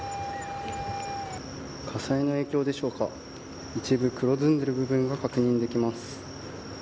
火災の影響でしょうか一部、黒ずんでいる部分が確認できます。